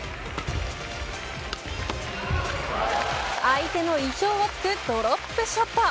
相手の意表を突くドロップショット。